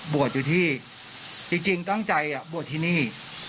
บวชอยู่ที่จริงตั้งใจบวชที่นี่